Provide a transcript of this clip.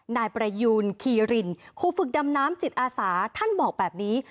นายประยูนคีรินครูฝึกดำน้ำจิตอาสาท่านบอกแบบนี้